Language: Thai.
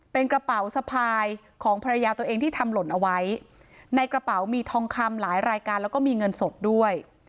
เป็นกระเป๋าสะพายของภรรยาตัวเองที่ทำหล่นเอาไว้ในกระเป๋ามีทองคำหลายรายการแล้วก็มีเงินสดด้วย